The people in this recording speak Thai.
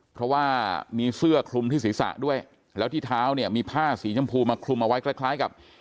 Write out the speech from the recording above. เพราะว่ามีเสื้อคลุมที่ศีรษะด้วยแล้วที่เท้าเนี่ยมีผ้าสีชมพูมาคลุมเอาไว้คล้ายกับ